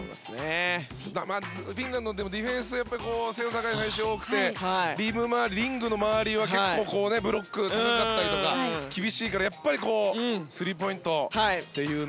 フィンランド、でもディフェンス背の高い選手が多くてリングの周りを結構、ブロックが高かったりとか厳しいからスリーポイントっていうね。